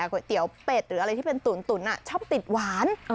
ก๋วยเตี๋ยวเป็ดหรืออะไรที่เป็นตุ๋นชอบติดหวาน